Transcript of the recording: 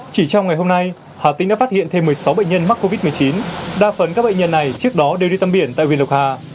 chỉ trong ngày hôm nay hà tĩnh đã phát hiện thêm một mươi sáu bệnh nhân mắc covid một mươi chín đa phần các bệnh nhân này trước đó đều đi tâm biển tại huyện lộc hà